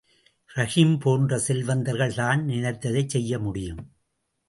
ரஹீம் போன்ற செல்வந்தர்கள் தான் நினைத்ததைச் செய்யமுடியும்.